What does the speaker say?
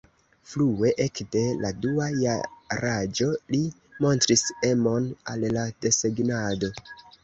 Frue, ekde la dua jaraĝo li montris emon al desegnado.